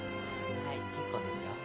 はい結構ですよ。